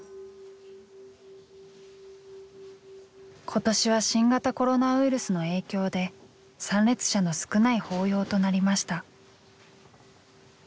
今年は新型コロナウイルスの影響で参列者の少ない法要となりました。